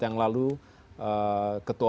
yang lalu ketua